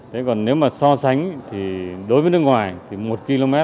thế còn nếu mà so sánh thì đối với nước ngoài thì một km